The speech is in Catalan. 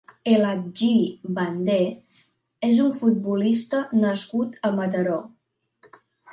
Elhadji Bandeh és un futbolista nascut a Mataró.